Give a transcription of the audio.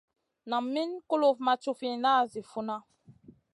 Nam Min kulufn ma cufina zi funa.